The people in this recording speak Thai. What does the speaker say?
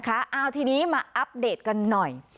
เอาทีนี้มาอัปเดตกันหน่อย